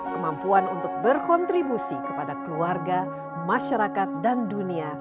kemampuan untuk berkontribusi kepada keluarga masyarakat dan dunia